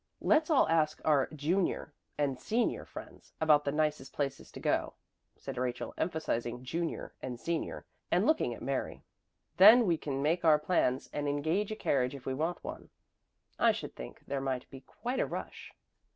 "Let's all ask our junior and senior friends about the nicest places to go," said Rachel, emphasizing "junior and senior" and looking at Mary. "Then we can make our plans, and engage a carriage if we want one. I should think there might be quite a rush."